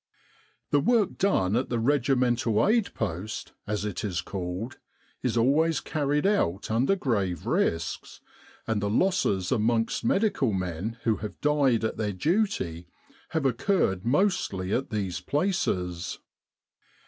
" The work done at the Regimental Aid Post, as it is called, is always carried out under grave risks, and the losses amongst medical men who have died at their duty have occurred mostly at these places.